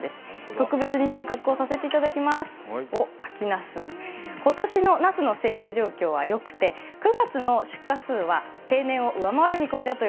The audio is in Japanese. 特別に収穫をさせていただきます、秋なす、今年のなすの生育状況はよくて９月の出荷数は平年を上回る予定です。